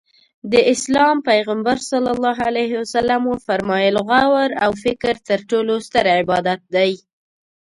د اسلام پیغمبر ص وفرمایل غور او فکر تر ټولو ستر عبادت دی.